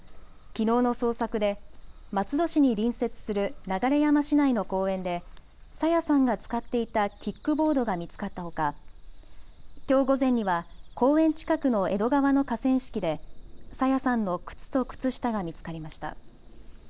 きのうの捜索で松戸市に隣接する流山市内の公園で朝芽さんが使っていたキックボードが見つかったほかきょう午前には公園近くの江戸川の河川敷で朝芽さんの靴と靴下が見つかりました。